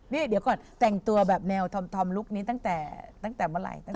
นี่เดี๋ยวก่อนแต่งตัวแบบแนวธอมลุคนี้ตั้งแต่เมื่อไหร่